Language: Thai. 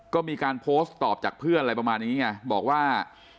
ก็มีการโพสต์ตอบจากเพื่อนอะไรประมาณนี้ไงบอกว่า